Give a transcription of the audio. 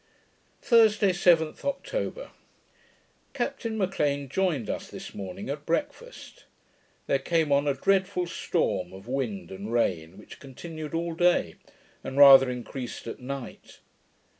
Thursday, 7th October Captain M'Lean joined us this morning at breakfast. There came on a dreadful storm of wind and rain, which continued all day, and rather increased at night.